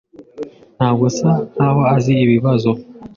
Ntabwo asa nkaho azi ibibazo.